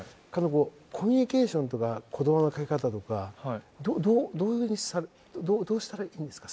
こうコミュニケーションとか言葉のかけ方とかどういう風にどうしたらいいんですか？